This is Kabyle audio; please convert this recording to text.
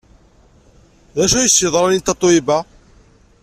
D acu ay as-yeḍran i Tatoeba?